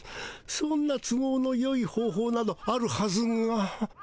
そんな都合のよい方ほうなどあるはずが。ん？